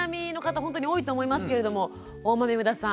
ほんとに多いと思いますけれども大豆生田さん